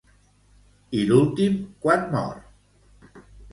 I l'últim quan mor?